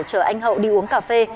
chờ anh hậu đi uống cà phê